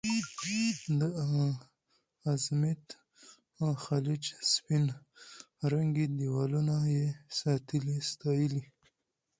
د ازمېت خلیج سپین رنګي دیوالونه یې ستایلي.